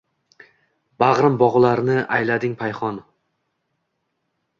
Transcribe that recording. Bag‘rim bog‘larini aylading payxon